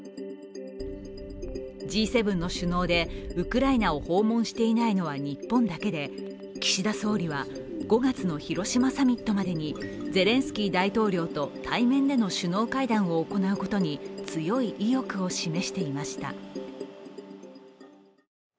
Ｇ７の首脳でウクライナを訪問していないのは日本だけで岸田総理は５月の広島サミットまでにゼレンスキー大統領と対面での首脳会談を行うことに強い意欲を示していました。